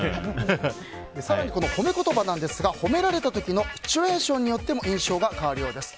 更に、褒め言葉なんですが褒められた時のシチュエーションによっても印象が変わるようです。